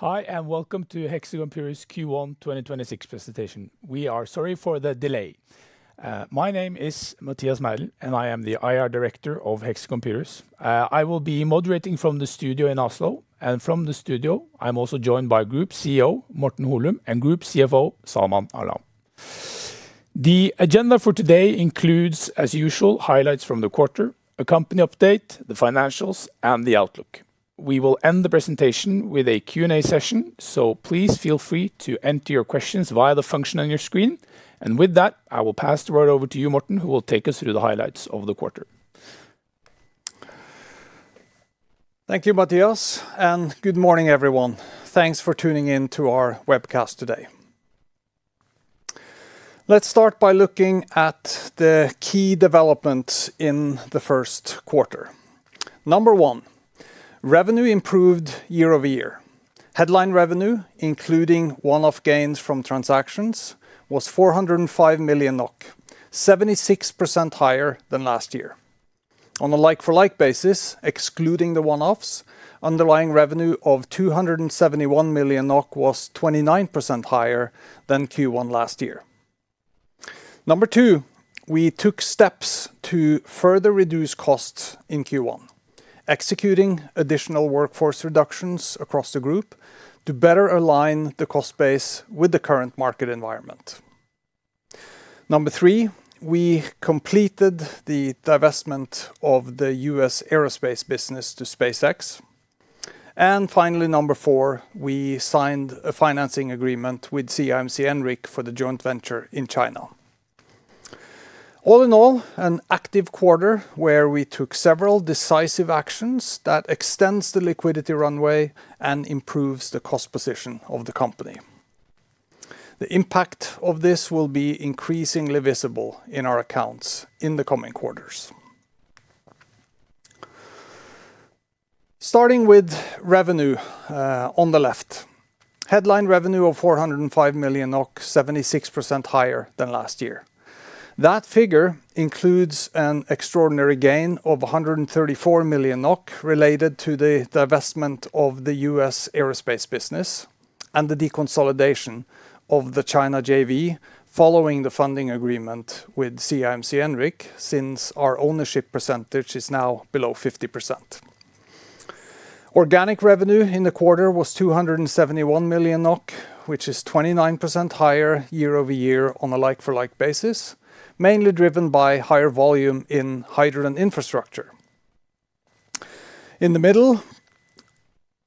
Hi, and welcome to Hexagon Purus Q1 2026 presentation. We are sorry for the delay. My name is Mathias Meidell, and I am the IR Director of Hexagon Purus. I will be moderating from the studio in Oslo, and from the studio, I'm also joined by Group CEO, Morten Holum, and Group CFO, Salman Alam. The agenda for today includes, as usual, highlights from the quarter, a company update, the financials, and the outlook. We will end the presentation with a Q&A session, so please feel free to enter your questions via the function on your screen. With that, I will pass the word over to you, Morten, who will take us through the highlights of the quarter. Thank you, Mathias. Good morning, everyone. Thanks for tuning in to our webcast today. Let's start by looking at the key developments in the first quarter. Number one, revenue improved year-over-year. Headline revenue, including one-off gains from transactions, was 405 million NOK up, 76% higher than last year. On a like-for-like basis, excluding the one-offs, underlying revenue of 271 million NOK was 29% higher than Q1 last year. Number two, we took steps to further reduce costs in Q1, executing additional workforce reductions across the group to better align the cost base with the current market environment. Number three, we completed the divestment of the U.S. aerospace business to SpaceX. Finally, number four, we signed a financing agreement with CIMC ENRIC for the joint venture in China. All in all, an active quarter where we took several decisive actions that extends the liquidity runway and improves the cost position of the company. The impact of this will be increasingly visible in our accounts in the coming quarters. Starting with revenue, on the left. Headline revenue of 405 million NOK, 76% higher than last year. That figure includes an extraordinary gain of 134 million NOK related to the divestment of the U.S. aerospace business and the deconsolidation of the China JV following the funding agreement with CIMC ENRIC, since our ownership percentage is now below 50%. Organic revenue in the quarter was 271 million NOK, which is 29% higher year-over-year on a like-for-like basis, mainly driven by higher volume in hydrogen infrastructure. In the middle,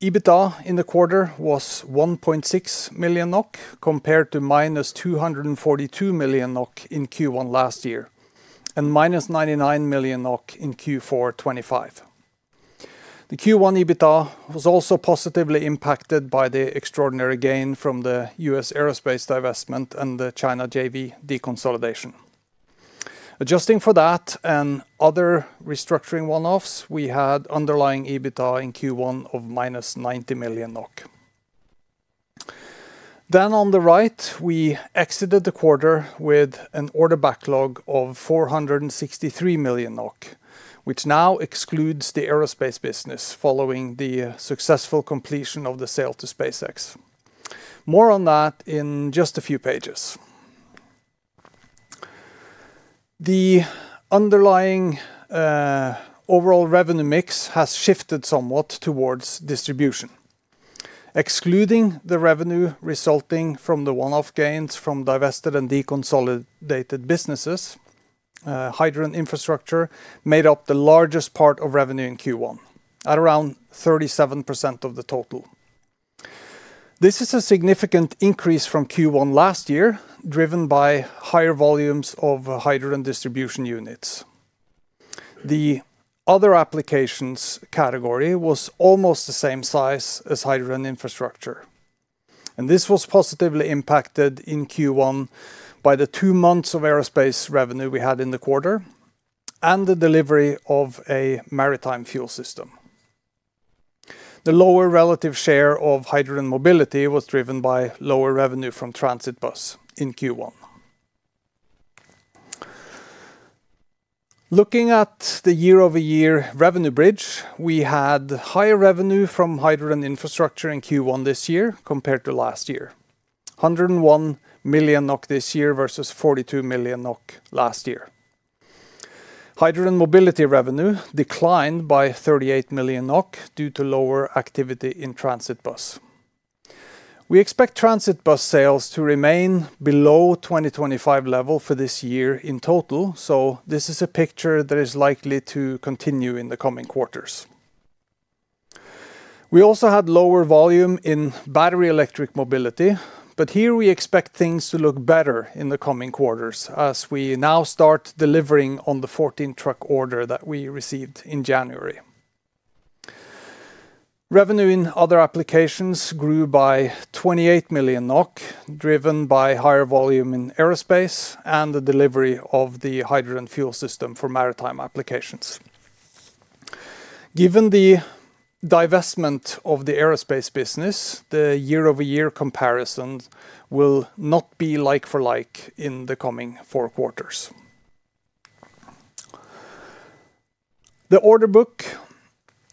EBITDA in the quarter was 1.6 million NOK compared to -242 million NOK in Q1 last year and -99 million NOK in Q4 2025. The Q1 EBITDA was also positively impacted by the extraordinary gain from the U.S. aerospace divestment and the China JV deconsolidation. Adjusting for that and other restructuring one-offs, we had underlying EBITDA in Q1 of -90 million NOK. On the right, we exited the quarter with an order backlog of 463 million NOK, which now excludes the aerospace business following the successful completion of the sale to SpaceX. More on that in just a few pages. The underlying overall revenue mix has shifted somewhat towards distribution. Excluding the revenue resulting from the one-off gains from divested and deconsolidated businesses, hydrogen infrastructure made up the largest part of revenue in Q1 at around 37% of the total. This is a significant increase from Q1 last year, driven by higher volumes of hydrogen distribution systems. The other applications category was almost the same size as hydrogen infrastructure, and this was positively impacted in Q1 by the two months of aerospace revenue we had in the quarter and the delivery of a maritime fuel system. The lower relative share of hydrogen mobility was driven by lower revenue from transit bus in Q1. Looking at the year-over-year revenue bridge, we had higher revenue from hydrogen infrastructure in Q1 this year compared to last year, 101 million NOK this year versus 42 million NOK last year. Hydrogen mobility revenue declined by 38 million NOK due to lower activity in transit bus. We expect transit bus sales to remain below 2025 level for this year in total, so this is a picture that is likely to continue in the coming quarters. We also had lower volume in battery electric mobility, here we expect things to look better in the coming quarters as we now start delivering on the 14-truck order that we received in January. Revenue in other applications grew by 28 million NOK, driven by higher volume in aerospace and the delivery of the hydrogen fuel system for maritime applications. Given the divestment of the aerospace business, the year-over-year comparisons will not be like for like in the coming four quarters. The order book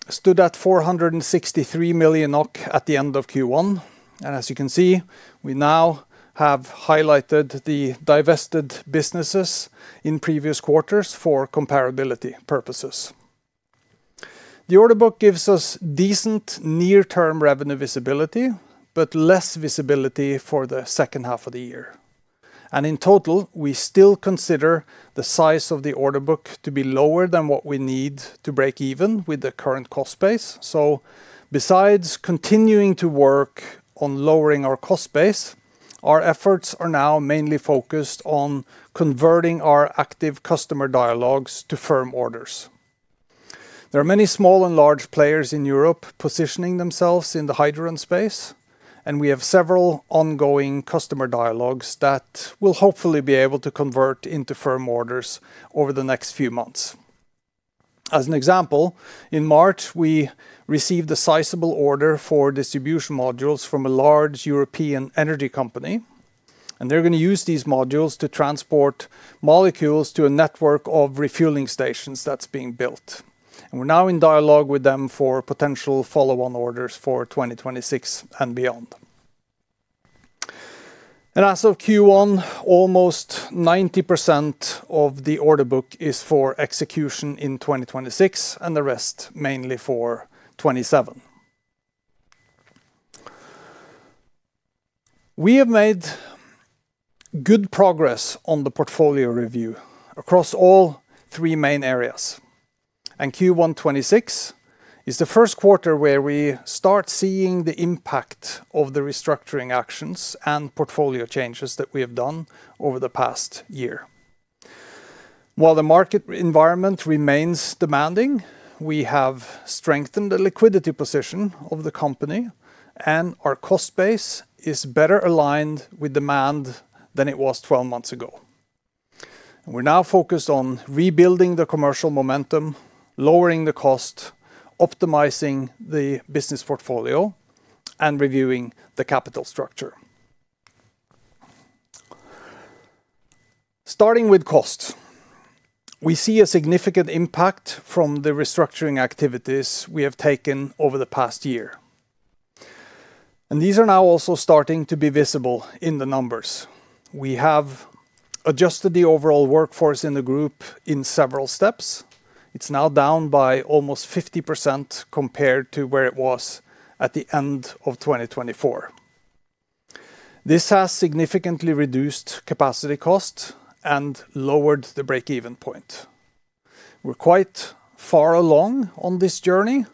stood at 463 million NOK at the end of Q1. As you can see, we now have highlighted the divested businesses in previous quarters for comparability purposes. The order book gives us decent near-term revenue visibility, less visibility for the second half of the year. In total, we still consider the size of the order book to be lower than what we need to break even with the current cost base. Besides continuing to work on lowering our cost base, our efforts are now mainly focused on converting our active customer dialogues to firm orders. There are many small and large players in Europe positioning themselves in the hydrogen space, and we have several ongoing customer dialogues that will hopefully be able to convert into firm orders over the next few months. As an example, in March, we received a sizable order for distribution modules from a large European energy company, and they're gonna use these modules to transport molecules to a network of refueling stations that's being built. We're now in dialogue with them for potential follow-on orders for 2026 and beyond. As of Q1, almost 90% of the order book is for execution in 2026, and the rest mainly for 2027. We have made good progress on the portfolio review across all three main areas. Q1 2026 is the first quarter where we start seeing the impact of the restructuring actions and portfolio changes that we have done over the past year. While the market environment remains demanding, we have strengthened the liquidity position of the company, and our cost base is better aligned with demand than it was 12 months ago. We're now focused on rebuilding the commercial momentum, lowering the cost, optimizing the business portfolio, and reviewing the capital structure. Starting with cost, we see a significant impact from the restructuring activities we have taken over the past year, and these are now also starting to be visible in the numbers. We have adjusted the overall workforce in the group in several steps. It's now down by almost 50% compared to where it was at the end of 2024. This has significantly reduced capacity cost and lowered the break-even point. We're quite far along on this journey,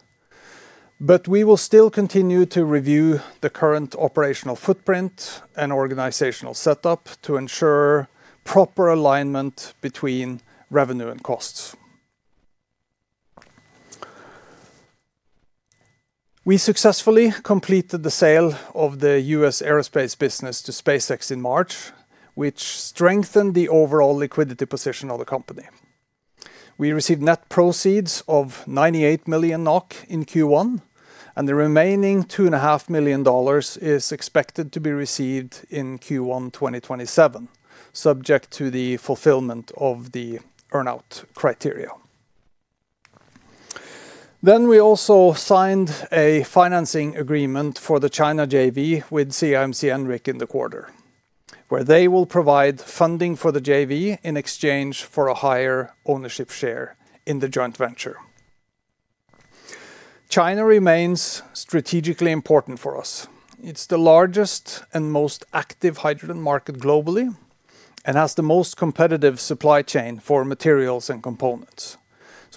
but we will still continue to review the current operational footprint and organizational setup to ensure proper alignment between revenue and costs. We successfully completed the sale of the U.S. aerospace business to SpaceX in March, which strengthened the overall liquidity position of the company. We received net proceeds of 98 million NOK in Q1, and the remaining $2.5 million is expected to be received in Q1 2027, subject to the fulfillment of the earn-out criteria. We also signed a financing agreement for the China JV with CIMC ENRIC in the quarter, where they will provide funding for the JV in exchange for a higher ownership share in the joint venture. China remains strategically important for us. It's the largest and most active hydrogen market globally and has the most competitive supply chain for materials and components.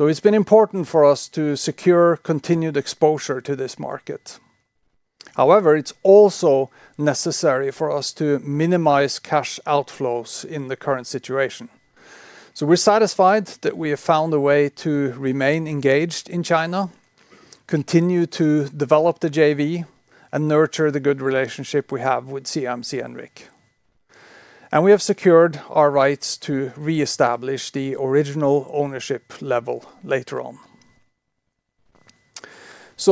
It's been important for us to secure continued exposure to this market. However, it's also necessary for us to minimize cash outflows in the current situation. We're satisfied that we have found a way to remain engaged in China, continue to develop the JV, and nurture the good relationship we have with CIMC ENRIC. We have secured our rights to reestablish the original ownership level later on.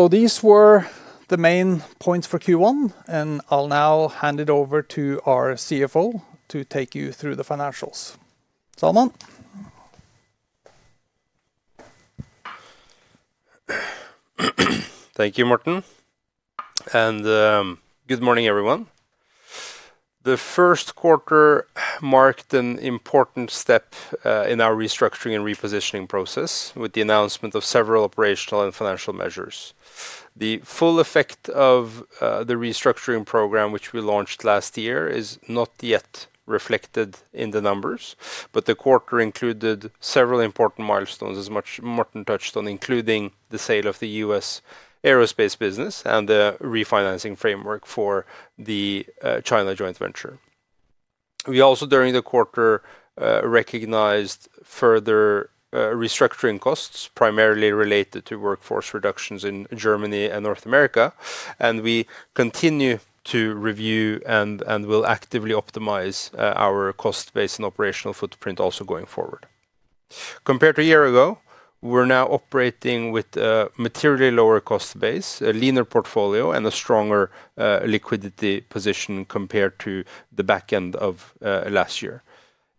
These were the main points for Q1. I'll now hand it over to our CFO to take you through the financials. Salman? Thank you, Morten. Good morning, everyone. The first quarter marked an important step in our restructuring and repositioning process with the announcement of several operational and financial measures. The full effect of the restructuring program, which we launched last year, is not yet reflected in the numbers, but the quarter included several important milestones, as Morten touched on, including the sale of the U.S. aerospace business and the refinancing framework for the China joint venture. We also, during the quarter, recognized further restructuring costs, primarily related to workforce reductions in Germany and North America, and we continue to review and will actively optimize our cost base and operational footprint also going forward. Compared to a year ago, we're now operating with a materially lower cost base, a leaner portfolio, and a stronger liquidity position compared to the back end of last year.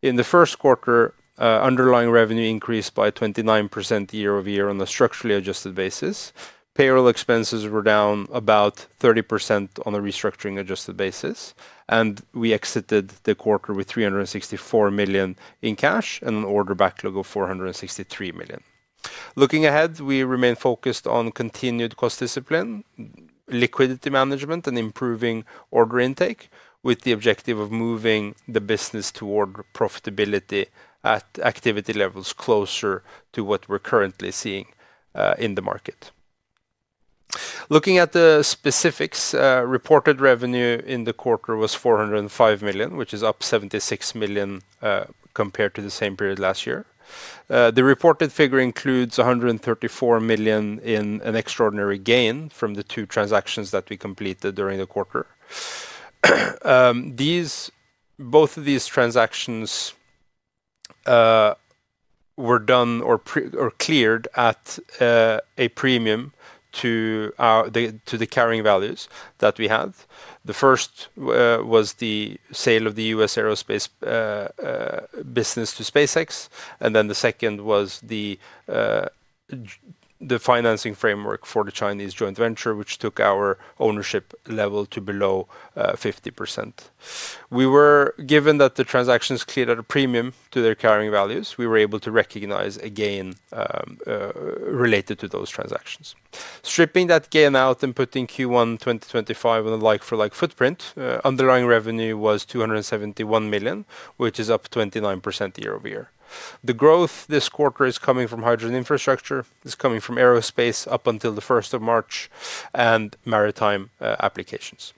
In the first quarter, underlying revenue increased by 29% year-over-year on a structurally adjusted basis. Payroll expenses were down about 30% on a restructuring adjusted basis. We exited the quarter with 364 million in cash and an order backlog of 463 million. Looking ahead, we remain focused on continued cost discipline, liquidity management, and improving order intake, with the objective of moving the business toward profitability at activity levels closer to what we're currently seeing in the market. Looking at the specifics, reported revenue in the quarter was 405 million, which is up 76 million compared to the same period last year. The reported figure includes 134 million in an extraordinary gain from the two transactions that we completed during the quarter. Both of these transactions were done or cleared at a premium to the carrying values that we have. The first was the sale of the U.S. aerospace business to SpaceX, and then the second was the financing framework for the Chinese joint venture, which took our ownership level to below 50%. We were given that the transactions cleared at a premium to their carrying values. We were able to recognize a gain related to those transactions. Stripping that gain out and putting Q1 2025 on a like-for-like footprint, underlying revenue was 271 million, which is up 29% year-over-year. The growth this quarter is coming from hydrogen infrastructure, it's coming from aerospace up until the 1st of March and maritime applications.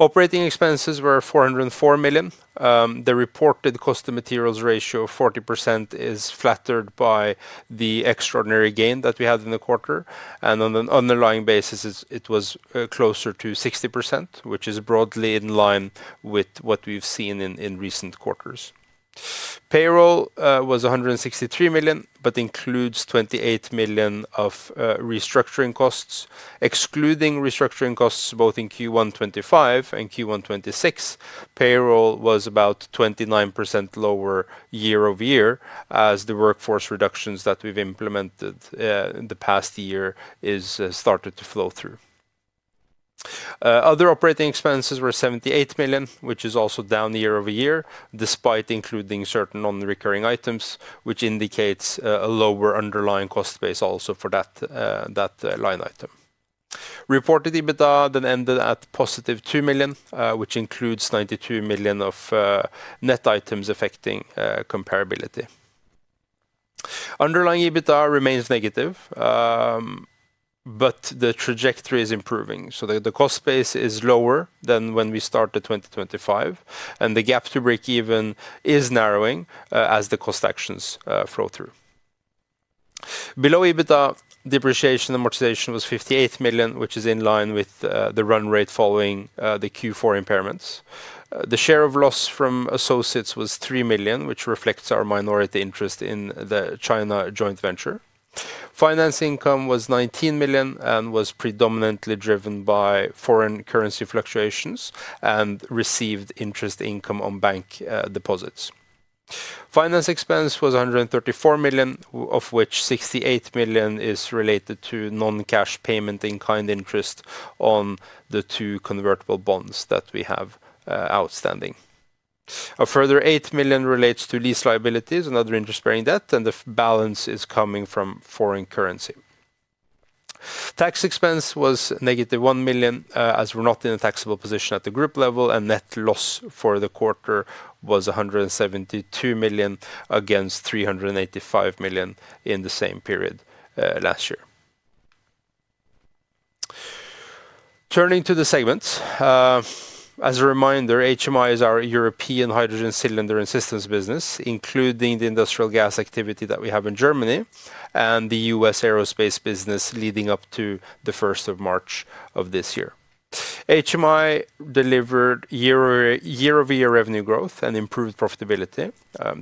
Operating expenses were 404 million. The reported cost of materials ratio of 40% is flattered by the extraordinary gain that we had in the quarter. On an underlying basis, it was closer to 60%, which is broadly in line with what we've seen in recent quarters. Payroll was 163 million, but includes 28 million of restructuring costs. Excluding restructuring costs both in Q1 2025 and Q1 2026, payroll was about 29% lower year-over-year as the workforce reductions that we've implemented in the past year is started to flow through. Other operating expenses were 78 million, which is also down year-over-year, despite including certain non-recurring items, which indicates a lower underlying cost base also for that line item. Reported EBITDA ended at positive 2 million, which includes 92 million of net items affecting comparability. Underlying EBITDA remains negative, but the trajectory is improving. The cost base is lower than when we started 2025, and the gap to breakeven is narrowing as the cost actions flow through. Below EBITDA, depreciation, amortization was 58 million, which is in line with the run rate following the Q4 impairments. The share of loss from associates was 3 million, which reflects our minority interest in the China joint venture. Finance income was 19 million and was predominantly driven by foreign currency fluctuations and received interest income on bank deposits. Finance expense was 134 million, of which 68 million is related to non-cash payment in kind interest on the two convertible bonds that we have outstanding. A further 8 million relates to lease liabilities and other interest-bearing debt, and the balance is coming from foreign currency. Tax expense was -1 million, as we're not in a taxable position at the group level, and net loss for the quarter was 172 million against 385 million in the same period last year. Turning to the segments, as a reminder, HMI is our European hydrogen cylinder and systems business, including the industrial gas activity that we have in Germany and the U.S. aerospace business leading up to the 1st of March of this year. HMI delivered year-over-year revenue growth and improved profitability.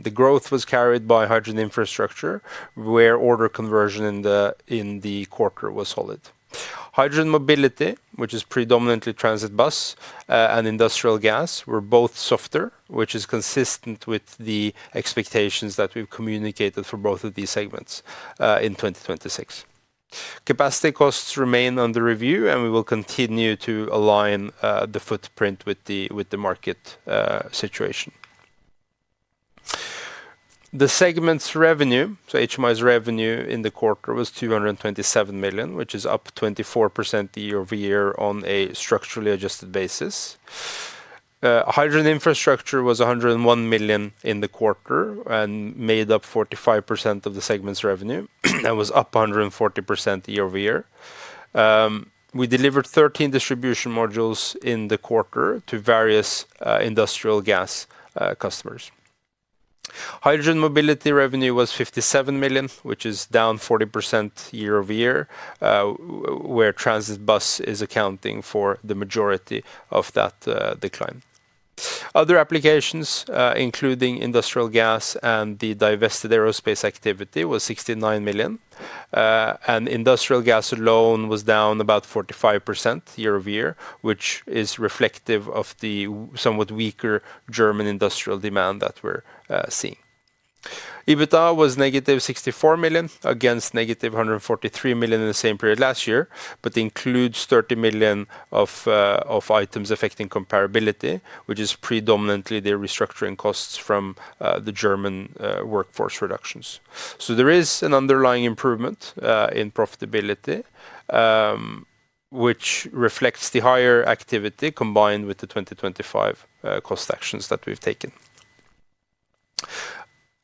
The growth was carried by hydrogen infrastructure, where order conversion in the quarter was solid. Hydrogen mobility, which is predominantly transit bus, and industrial gas, were both softer, which is consistent with the expectations that we've communicated for both of these segments in 2026. Capacity costs remain under review, and we will continue to align the footprint with the market situation. The segment's revenue, so HMI's revenue in the quarter was 227 million, which is up 24% year-over-year on a structurally adjusted basis. Hydrogen Infrastructure was 101 million in the quarter and made up 45% of the segment's revenue and was up 140% year-over-year. We delivered 13 distribution modules in the quarter to various industrial gas customers. Hydrogen Mobility revenue was 57 million, which is down 40% year-over-year, where transit bus is accounting for the majority of that decline. Other applications, including industrial gas and the divested aerospace activity was 69 million. Industrial gas alone was down about 45% year-over-year, which is reflective of the somewhat weaker German industrial demand that we're seeing. EBITDA was -64 million against -143 million in the same period last year, but includes 30 million of items affecting comparability, which is predominantly the restructuring costs from the German workforce reductions. There is an underlying improvement in profitability, which reflects the higher activity combined with the 2025 cost actions that we've taken.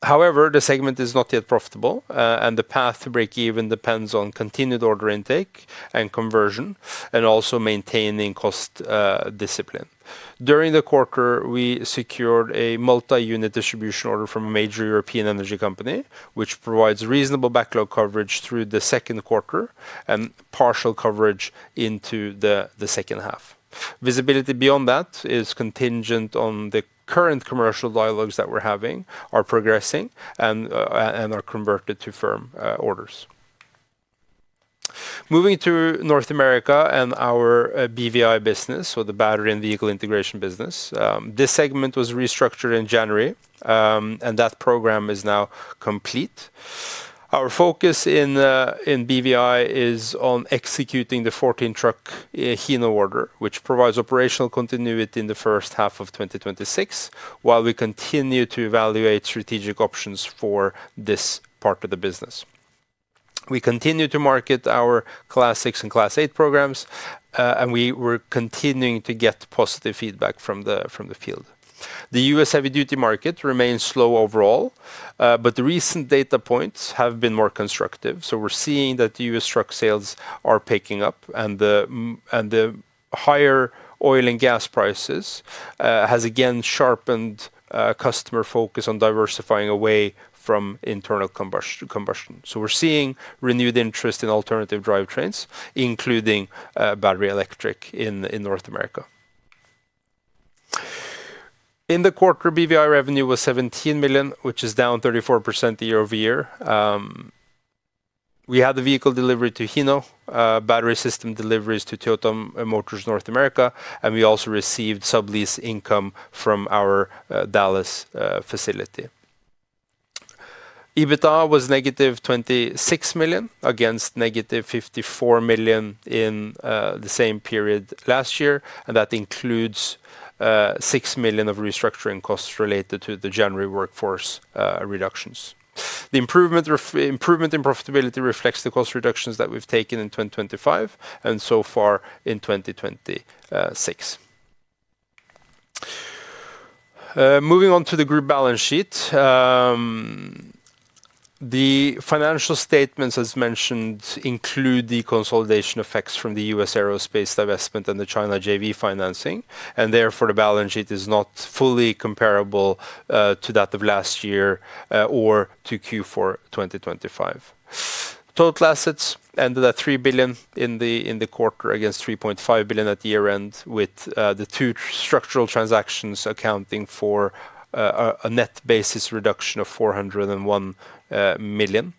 However, the segment is not yet profitable, and the path to breakeven depends on continued order intake and conversion and also maintaining cost discipline. During the quarter, we secured a multi-unit distribution order from a major European energy company, which provides reasonable backlog coverage through the second quarter and partial coverage into the second half. Visibility beyond that is contingent on the current commercial dialogues that we're having are progressing and are converted to firm orders. Moving to North America and our BVI business, so the Battery and Vehicle Integration business. This segment was restructured in January, and that program is now complete. Our focus in BVI is on executing the 14 truck Hino order, which provides operational continuity in the first half of 2026, while we continue to evaluate strategic options for this part of the business. We continue to market our Class 6 and Class 8 programs, and we were continuing to get positive feedback from the field. The U.S. heavy duty market remains slow overall, the recent data points have been more constructive. We're seeing that the U.S. truck sales are picking up and the higher oil and gas prices has again sharpened customer focus on diversifying away from internal combustion. We're seeing renewed interest in alternative drivetrains, including battery electric in North America. In the quarter, BVI revenue was 17 million, which is down 34% year-over-year. We had the vehicle delivery to Hino, battery system deliveries to Toyota Motor North America, and we also received sublease income from our Dallas facility. EBITDA was -26 million against -54 million in the same period last year, that includes 6 million of restructuring costs related to the January workforce reductions. The improvement in profitability reflects the cost reductions that we've taken in 2025 and so far in 2026. Moving on to the group balance sheet. The financial statements, as mentioned, include the consolidation effects from the U.S. aerospace divestment and the China JV financing, therefore, the balance sheet is not fully comparable to that of last year or to Q4 2025. Total assets ended at 3 billion in the quarter against 3.5 billion at the year-end with the two structural transactions accounting for a net basis reduction of 401 million.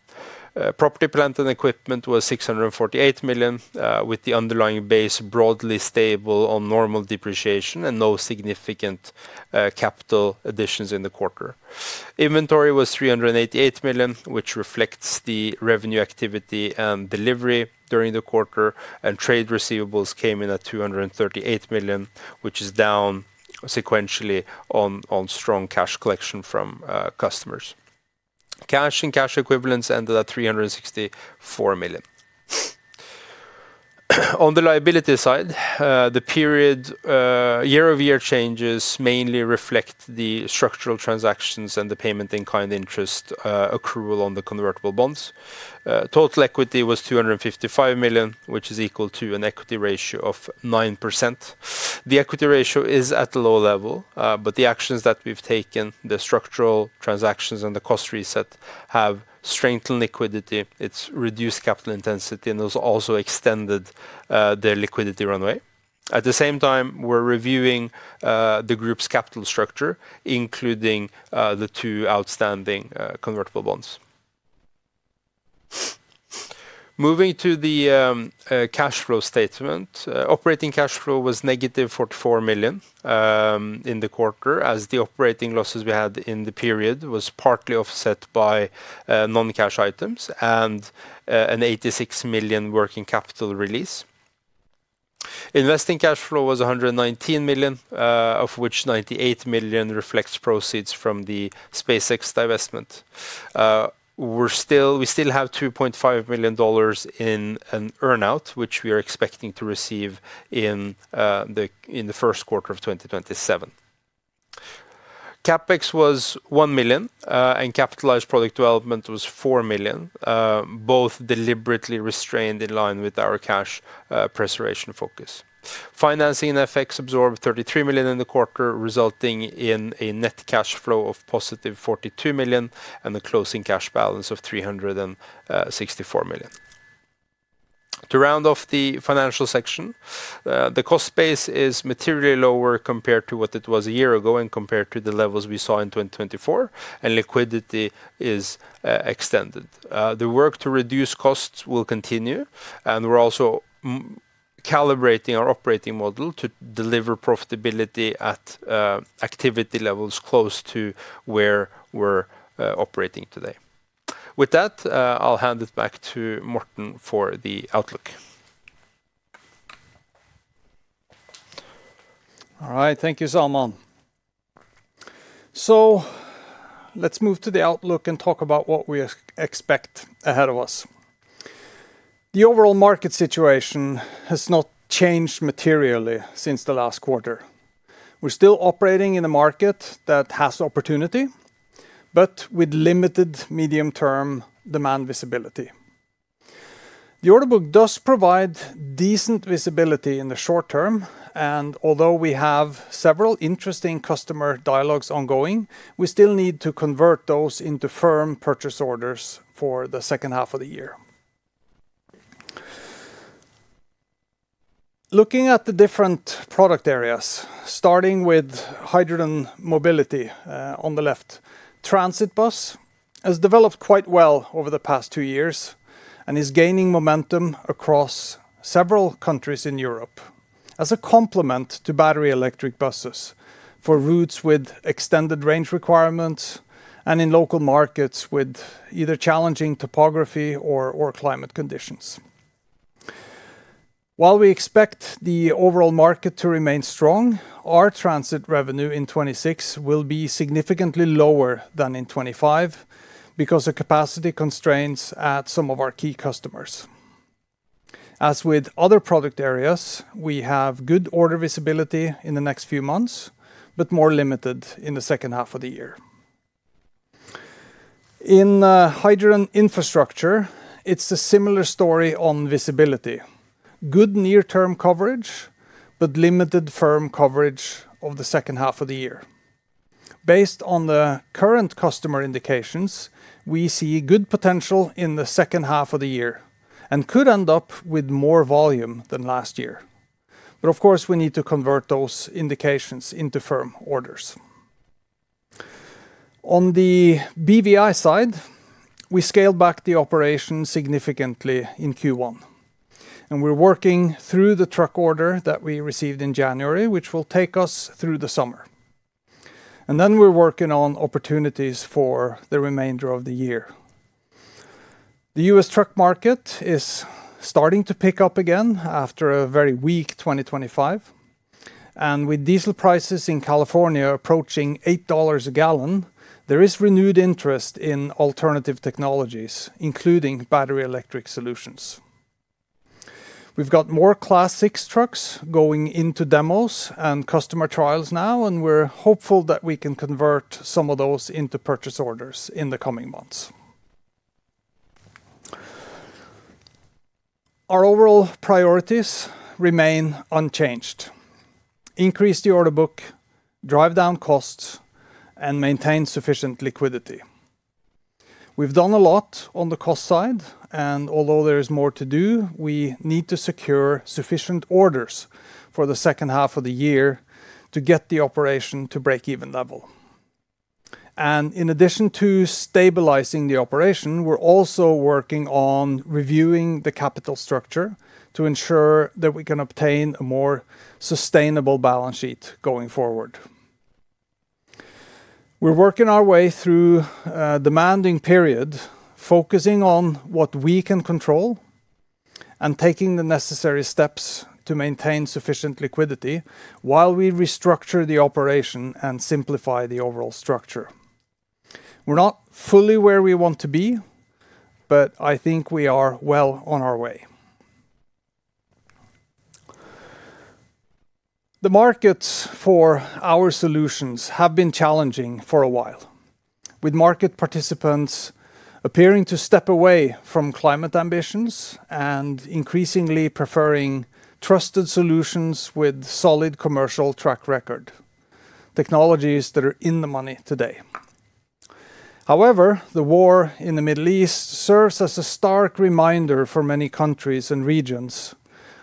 Property, plant, and equipment was 648 million with the underlying base broadly stable on normal depreciation and no significant capital additions in the quarter. Inventory was 388 million, which reflects the revenue activity and delivery during the quarter, and trade receivables came in at 238 million, which is down sequentially on strong cash collection from customers. Cash and cash equivalents ended at 364 million. On the liability side, the period year-over-year changes mainly reflect the structural transactions and the payment in kind interest accrual on the convertible bonds. Total equity was 255 million, which is equal to an equity ratio of 9%. The equity ratio is at a low level, the actions that we've taken, the structural transactions and the cost reset, have strengthened liquidity. It's reduced capital intensity, those also extended the liquidity runway. At the same time, we're reviewing the group's capital structure, including the two outstanding convertible bonds. Moving to the cash flow statement. Operating cash flow was negative 44 million in the quarter as the operating losses we had in the period was partly offset by non-cash items and an 86 million working capital release. Investing cash flow was 119 million, of which 98 million reflects proceeds from the SpaceX divestment. We still have $2.5 million in an earn-out, which we are expecting to receive in the first quarter of 2027. CapEx was 1 million, and capitalized product development was 4 million, both deliberately restrained in line with our cash preservation focus. Financing and FX absorbed 33 million in the quarter, resulting in a net cash flow of positive 42 million and a closing cash balance of 364 million. To round off the financial section, the cost base is materially lower compared to what it was a year ago and compared to the levels we saw in 2024, and liquidity is extended. The work to reduce costs will continue, and we're also calibrating our operating model to deliver profitability at activity levels close to where we're operating today. With that, I'll hand it back to Morten for the outlook. All right, thank you, Salman. Let's move to the outlook and talk about what we expect ahead of us. The overall market situation has not changed materially since the last quarter. We're still operating in a market that has opportunity, but with limited medium-term demand visibility. The order book does provide decent visibility in the short term, and although we have several interesting customer dialogues ongoing, we still need to convert those into firm purchase orders for the second half of the year. Looking at the different product areas, starting with hydrogen mobility on the left, transit bus has developed quite well over the past two years and is gaining momentum across several countries in Europe as a complement to battery electric buses for routes with extended range requirements and in local markets with either challenging topography or climate conditions. While we expect the overall market to remain strong, our transit revenue in 2026 will be significantly lower than in 2025 because of capacity constraints at some of our key customers. As with other product areas, we have good order visibility in the next few months, but more limited in the second half of the year. In hydrogen infrastructure, it's a similar story on visibility, good near-term coverage, but limited firm coverage of the second half of the year. Based on the current customer indications, we see good potential in the second half of the year and could end up with more volume than last year. Of course, we need to convert those indications into firm orders. On the BVI side, we scaled back the operation significantly in Q1, and we're working through the truck order that we received in January, which will take us through the summer. We are working on opportunities for the remainder of the year. The U.S. truck market is starting to pick up again after a very weak 2025. With diesel prices in California approaching $8 a gallon, there is renewed interest in alternative technologies, including battery electric solutions. We have got more Class 6 trucks going into demos and customer trials now. We are hopeful that we can convert some of those into purchase orders in the coming months. Our overall priorities remain unchanged. Increase the order book, drive down costs, and maintain sufficient liquidity. We have done a lot on the cost side. Although there is more to do, we need to secure sufficient orders for the second half of the year to get the operation to break-even level. In addition to stabilizing the operation, we're also working on reviewing the capital structure to ensure that we can obtain a more sustainable balance sheet going forward. We're working our way through a demanding period, focusing on what we can control and taking the necessary steps to maintain sufficient liquidity while we restructure the operation and simplify the overall structure. We're not fully where we want to be, but I think we are well on our way. The markets for our solutions have been challenging for a while, with market participants appearing to step away from climate ambitions and increasingly preferring trusted solutions with solid commercial track record, technologies that are in the money today. The war in the Middle East serves as a stark reminder for many countries and regions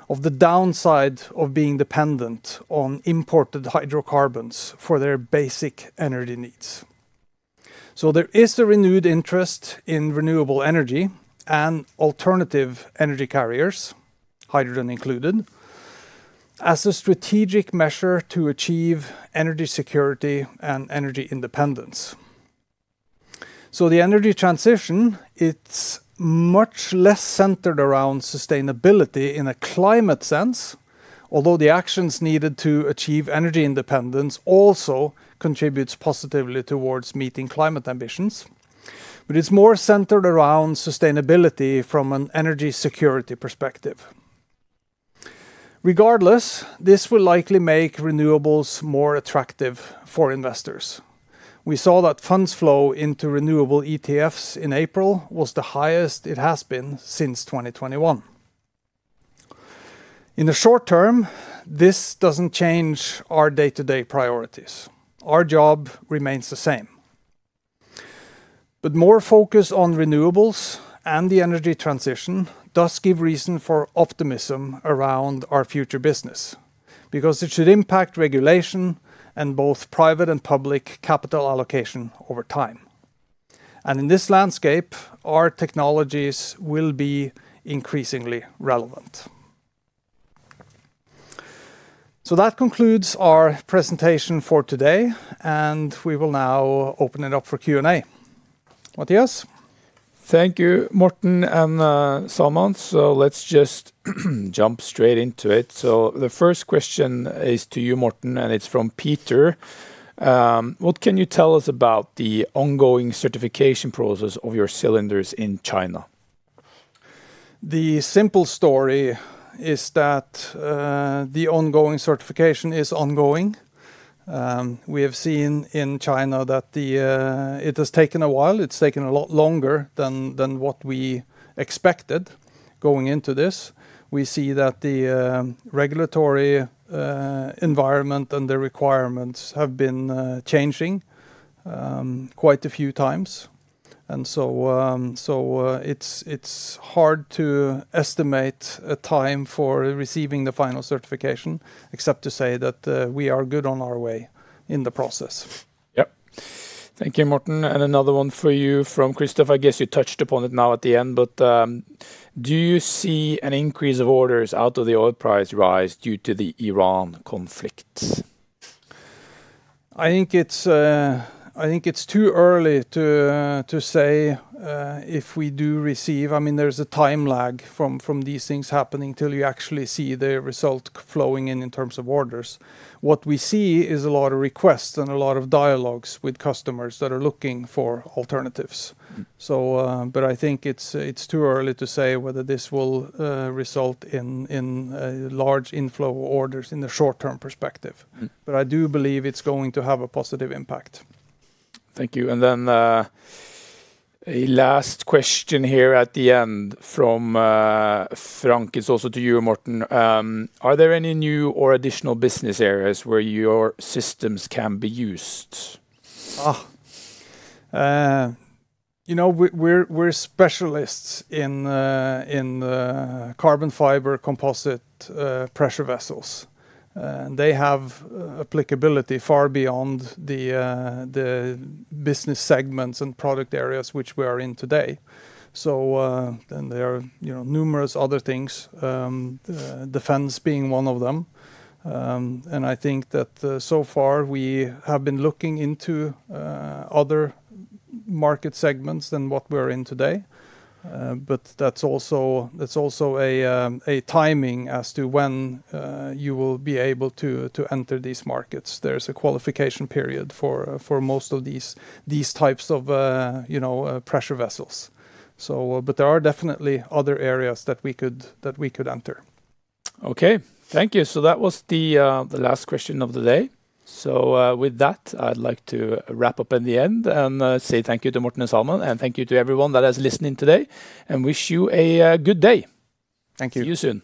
of the downside of being dependent on imported hydrocarbons for their basic energy needs. There is a renewed interest in renewable energy and alternative energy carriers, hydrogen included, as a strategic measure to achieve energy security and energy independence. The energy transition, it's much less centered around sustainability in a climate sense, although the actions needed to achieve energy independence also contributes positively towards meeting climate ambitions. It's more centered around sustainability from an energy security perspective. Regardless, this will likely make renewables more attractive for investors. We saw that funds flow into renewable ETFs in April was the highest it has been since 2021. In the short term, this doesn't change our day-to-day priorities. Our job remains the same. More focus on renewables and the energy transition does give reason for optimism around our future business because it should impact regulation and both private and public capital allocation over time. In this landscape, our technologies will be increasingly relevant. That concludes our presentation for today, and we will now open it up for Q&A. Mathias? Thank you, Morten and Salman. Let's just jump straight into it. The first question is to you, Morten, and it's from Peter. "What can you tell us about the ongoing certification process of your cylinders in China? The simple story is that the ongoing certification is ongoing. We have seen in China that it has taken a while. It's taken a lot longer than what we expected going into this. We see that the regulatory environment and the requirements have been changing quite a few times. So it's hard to estimate a time for receiving the final certification except to say that we are good on our way in the process. Yep. Thank you, Morten. Another one for you from Christoph. I guess you touched upon it now at the end, but do you see an increase of orders out of the oil price rise due to the Iran conflict? I think it's too early to say if we do receive. I mean, there's a time lag from these things happening till you actually see the result flowing in in terms of orders. What we see is a lot of requests and a lot of dialogues with customers that are looking for alternatives. I think it's too early to say whether this will result in a large inflow of orders in the short-term perspective. I do believe it's going to have a positive impact. Thank you. A last question here at the end from Frank. It's also to you, Morten. Are there any new or additional business areas where your systems can be used? You know, we're specialists in carbon fiber composite pressure vessels. They have applicability far beyond the business segments and product areas which we are in today. There are, you know, numerous other things, defense being one of them. I think that so far we have been looking into other market segments than what we're in today. That's also a timing as to when you will be able to enter these markets. There's a qualification period for most of these types of, you know, pressure vessels. There are definitely other areas that we could enter. Okay. Thank you. That was the last question of the day. With that, I'd like to wrap up in the end and say thank you to Morten and Salman, and thank you to everyone that is listening today and wish you a good day. Thank you. See you soon.